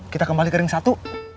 kita kembali ke ring satu